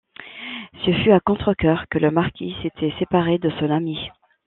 Ce fut à contrecœur que le marquis s'était séparé de son ami.